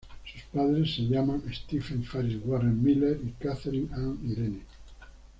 Sus padres se llaman Stephen Faris Warren Miller y Katherine Ann Irene.